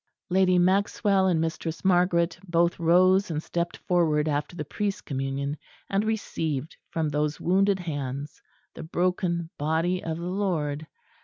Lady Maxwell and Mistress Margaret both rose and stepped forward after the Priest's Communion, and received from those wounded hands the Broken Body of the Lord.